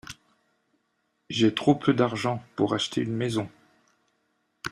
J’ai trop peu d’argent pour acheter une maison.